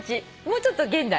もうちょっと現代。